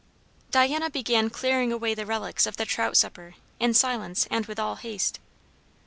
Diana began clearing away the relics of the trout supper, in silence and with all haste.